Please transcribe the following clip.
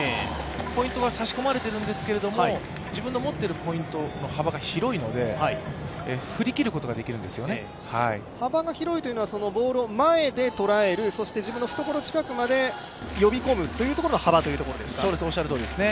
ポイントが差し込まれているんですけれども、自分の持っているポイントの幅が広いので幅が広いというのは、自分の前で捕らえる、そして自分の懐近くまで呼び込むというところの幅ということですか？